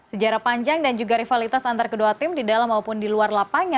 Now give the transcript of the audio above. sejarah panjang dan juga rivalitas antar kedua tim di dalam maupun di luar lapangan